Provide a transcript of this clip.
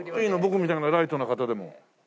僕みたいなライトな方でも？